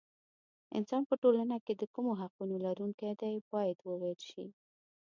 انسان په ټولنه کې د کومو حقونو لرونکی دی باید وویل شي.